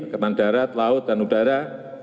ketan darat laut dan udara